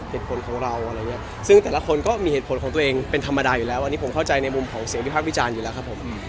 เหตุผลของเราอะไรอย่างนี้ซึ่งแต่ละคนก็มีเหตุผลของตัวเองเป็นธรรมดาอยู่แล้วอันนี้ผมเข้าใจในมุมของเสียงวิพากษ์วิจารณ์อยู่แล้วครับผม